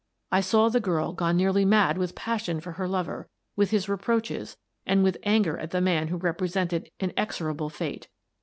I saw the girl gone nearly mad with passion for her lover, with his reproaches, and with anger at the man who represented inexorable fate.